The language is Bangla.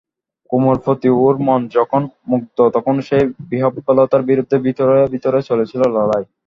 কুমুর প্রতি ওর মন যখন মুগ্ধ তখনো সেই বিহ্বলতার বিরুদ্ধে ভিতরে ভিতরে চলেছিল লড়াই।